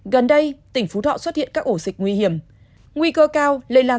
gần đây tỉnh phú thọ xuất hiện các ổ dịch nguy hiểm nguy cơ cao lây lan